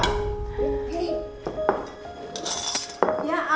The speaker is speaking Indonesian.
ya ampun neneng santik lupa